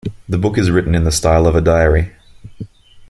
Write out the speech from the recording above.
The book is written in the style of a diary.